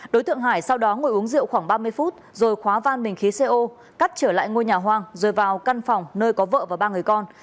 đối tượng hải sau đó ngồi uống rượu khoảng ba mươi phút rồi khóa van bình khí co cắt trở lại ngôi nhà hoang rồi vào căn phòng nơi có vợ và ba người con